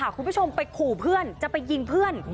คุณผู้ชมไปขู่เพื่อนจะไปยิงเพื่อน